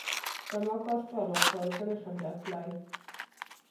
زما کار ټال وخوړ؛ زه نه شم درتلای.